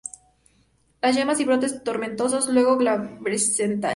Las yemas y brotes tomentosos, luego glabrescentes.